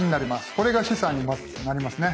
これが資産にまずなりますね。